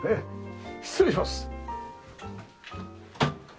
失礼します。